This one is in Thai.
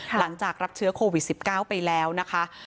หลังจากรับเชื้อโควิด๑๙ไปแล้วนะคะ